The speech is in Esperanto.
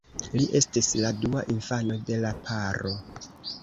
Li estis la dua infano de la paro.